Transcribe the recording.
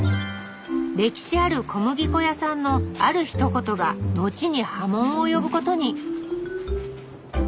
歴史ある小麦粉屋さんのあるひと言が後に波紋を呼ぶことに。